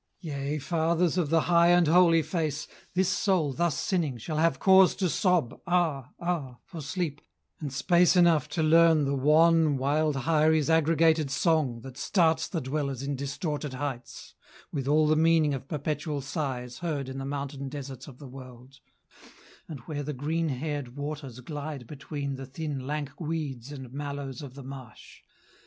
Yea, fathers of the high and holy face, This soul thus sinning shall have cause to sob "Ah, ah," for sleep, and space enough to learn The wan, wild Hyrie's aggregated song That starts the dwellers in distorted heights, With all the meaning of perpetual sighs Heard in the mountain deserts of the world, And where the green haired waters glide between The thin, lank weeds and mallows of the marsh.